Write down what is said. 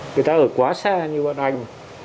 người ta ở quá xa như bọn anh